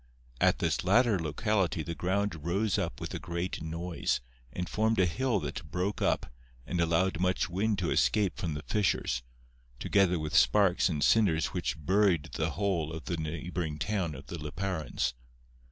At this latter locality the ground rose up with a great noise and formed a hill that broke up and allowed much wind to escape from the fissures, together with sparks and cinders which buried the whole of the neighboring town of the Liparans.